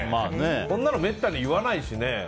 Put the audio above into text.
こんなのめったに言わないしね。